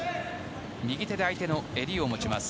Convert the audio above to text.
右手で相手の襟を持ちます。